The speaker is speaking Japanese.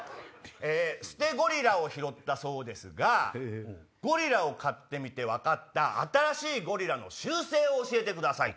「捨てゴリラを拾ったそうですがゴリラを飼ってみて分かった新しいゴリラの習性を教えてください」。